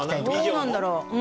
どうなんだろう？